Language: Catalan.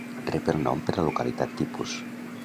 Rep el nom per la localitat tipus.